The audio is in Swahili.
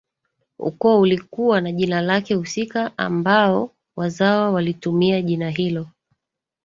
ukoo ulikuwa na jina lake husika ambao wazawa walilitumia jina hilo